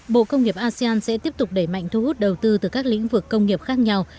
bộ công nghiệp asean sẽ tiếp tục đẩy mạnh thu hút đầu tư từ các lĩnh vực công nghiệp khác nhau